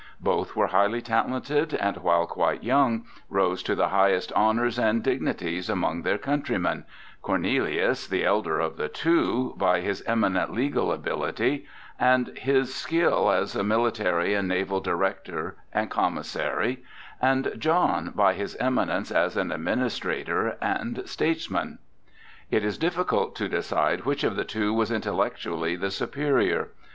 Both were highly talented and, while quite young, rose to the highest honors and dignities among their countrymen,—Cornelius, the elder of the two, by his eminent legal ability and his skill as a military and naval director and commissary, and John, by his eminence as an administrator and statesman. It is difficult to decide which of the two was intellectually the superior.